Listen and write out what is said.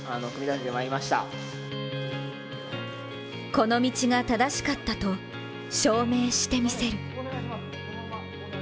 この道が正しかったと証明してみせる。